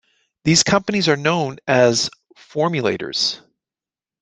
These companies are known as "formulators".